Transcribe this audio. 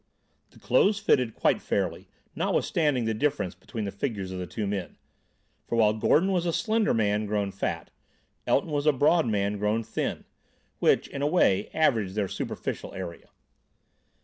The clothes fitted quite fairly, notwithstanding the difference between the figures of the two men; for while Gordon was a slender man grown fat, Elton was a broad man grown thin; which, in a way, averaged their superficial area.